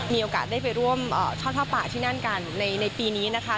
มีโอกาสได้ไปร่วมทอดผ้าป่าที่นั่นกันในปีนี้นะคะ